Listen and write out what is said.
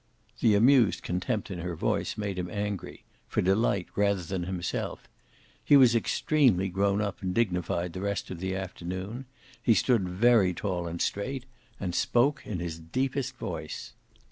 The amused contempt in her voice made him angry for Delight rather than himself. He was extremely grown up and dignified the rest of the afternoon; he stood very tall and straight, and spoke in his deepest voice.